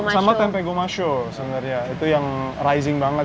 sama tempe gomasho sebenarnya itu yang rising banget